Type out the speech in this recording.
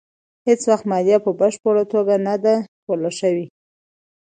هېڅ وخت مالیه په بشپړه توګه نه ده ټوله شوې.